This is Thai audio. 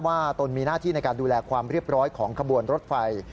ตนมีหน้าที่ในการดูแลความเรียบร้อยของขบวนรถไฟ